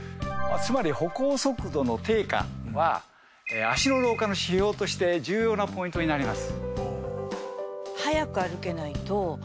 つまり歩行速度の低下は脚の老化の指標として重要なポイントになります。